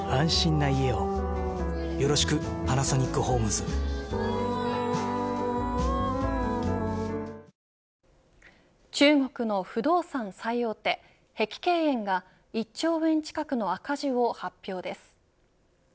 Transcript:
ずっと全盛期と中国の不動産最大手碧桂園が１兆円近くの赤字を発表です。